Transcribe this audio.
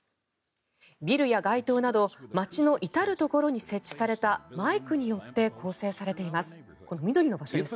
ビルや街頭など街の至るところに設置されたマイクによって構成されています。